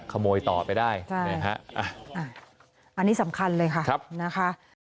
ขโมยต่อไปได้อันนี้สำคัญเลยค่ะนะคะ